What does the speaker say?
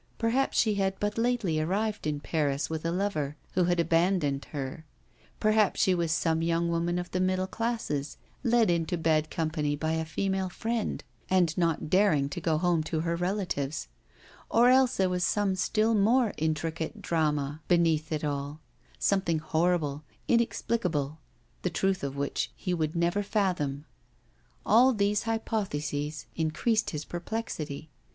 Perhaps she had but lately arrived in Paris with a lover, who had abandoned her; perhaps she was some young woman of the middle classes led into bad company by a female friend, and not daring to go home to her relatives; or else there was some still more intricate drama beneath it all; something horrible, inexplicable, the truth of which he would never fathom. All these hypotheses increased his perplexity.